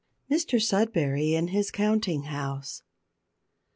MR SUDBERRY IN HIS COUNTING HOUSE.